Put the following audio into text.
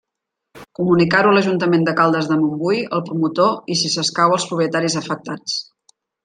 Comunicar-ho a l'Ajuntament de Caldes de Montbui, al promotor i, si escau, als propietaris afectats.